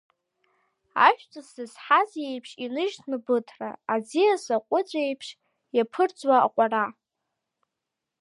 Ажәҵыс зызҳаз еицш иныжьны быҭра, аӡиас аҟәыҵәеиԥш иаԥырҵуа аҟәара…